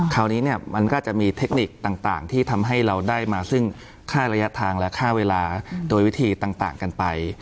คราวนี้เนี่ยมันก็จะมีเทคนิคต่างที่ทำให้เราได้มาซึ่งค่าระยะทางและค่าเวลาโดยวิธีต่างกันไป